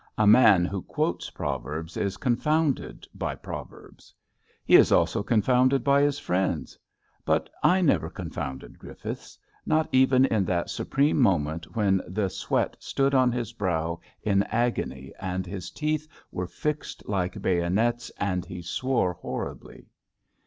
A man who quotes proverbs is confounded by proverbs. He is also confounded by his friends. But I never con founded Griffiths — ^not even in that supreme mo ment when the sweat stood on his brow in agony and his teeth were fixed like bayonets and he swore horribly.